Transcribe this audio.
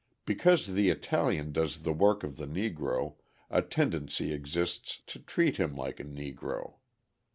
Because the Italian does the work of the Negro, a tendency exists to treat him like a Negro.